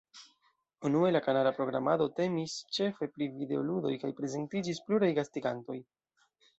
Unue, la kanala programado temis ĉefe pri videoludoj kaj prezentiĝis pluraj gastigantoj.